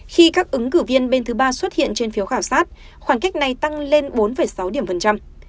khi các ứng cử viên bên thứ ba xuất hiện trên phiếu khảo sát khoảng cách này tăng lên bốn sáu điểm phần trăm